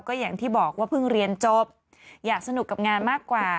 ก็อย่างที่บอกว่าเพิ่งเรียนจบอยากสนุกกับงานมากกว่า